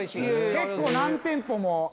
結構何店舗も。